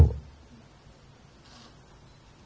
oke yang ketiga anda